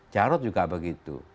jarod juga begitu